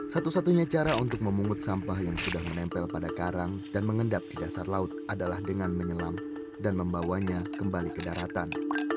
satu satunya cara untuk memungut sampah yang sudah menempel pada karang dan mengendap di dasar laut adalah dengan menyelam dan membawanya kembali ke daratan